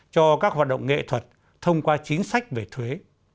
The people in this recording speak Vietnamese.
cho các hoạt động nghệ thuật thông qua chính sách về thuế